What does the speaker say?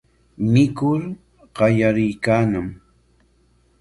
Mikur qallariykanñam.